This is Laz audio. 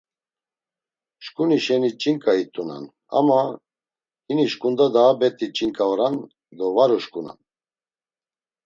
Şǩuni şeni “ç̌inǩa” it̆unan ama hini şǩunda daha bet̆i ç̌inǩa oran do var uşǩunan.